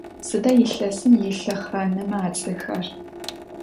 Sıda yilhesım yilhexhaneme ats'exer?